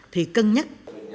thì cân nhắc